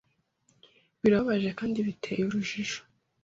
Birababaje kandi biteye urujijo.